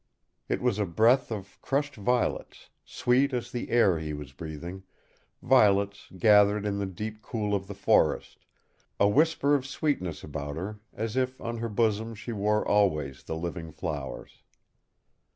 It was a breath of crushed violets, sweet as the air he was breathing, violets gathered in the deep cool of the forest, a whisper of sweetness about her, as if on her bosom she wore always the living flowers.